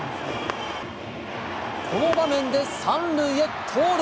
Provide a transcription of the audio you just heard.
この場面で３塁へ盗塁。